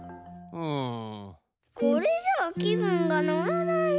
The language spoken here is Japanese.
これじゃあきぶんがのらないな。